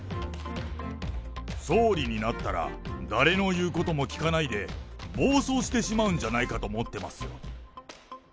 総理になったら誰の言うことも聞かないで、暴走してしまうんじゃないかと思っていますよ。